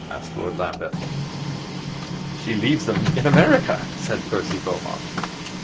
asked Lord Lambeth. "She leaves them in America!" said Percy Beaumont.